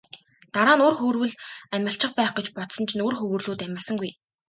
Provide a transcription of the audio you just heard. Дараа нь үр хөврөл амилчих байх гэж бодсон чинь үр хөврөлүүд амилсангүй.